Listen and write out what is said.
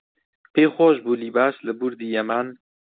پێی خۆش بوو لیباس لە بوردی یەمان